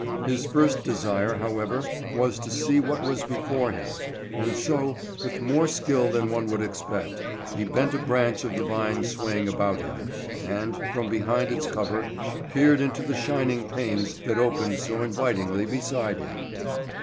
His first desire, however, was to see what was before him, and so, with more skill than one would expect, he bent a branch of the vine swaying about him, and, from behind its cover, peered into the shining panes that opened so invitingly beside him.